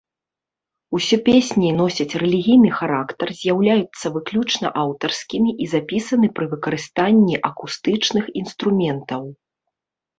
Усё песні носяць рэлігійны характар, з'яўляюцца выключна аўтарскімі і запісаны пры выкарыстанні акустычных інструментаў.